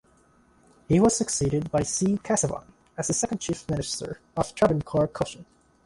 He was succeed by C. Kesavan as the second Chief Minister of Travancore-Cochin.